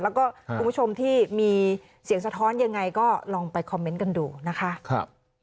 แล้วก็คุณผู้ชมที่มีเสียงสะท้อนยังไงก็ลองไปคอมเมนต์กันดูนะคะ